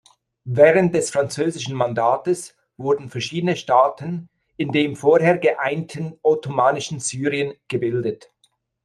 Während des französischen Mandates wurden verschiedene Staaten, in dem vorher geeinten ottomanischen Syrien, gebildet.